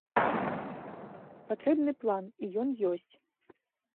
Патрэбны план, і ён ёсць.